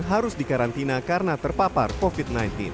harus dikarantina karena terpapar covid sembilan belas